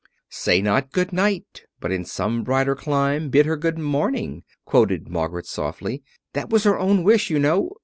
"'Say not good night, but in some brighter clime bid her good morning,'" quoted Margaret softly. "That was her own wish, you know.